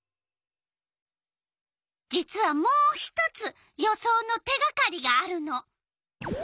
実はもう１つ予想の手がかりがあるの。